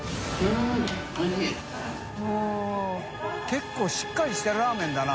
結構しっかりしたラーメンだな。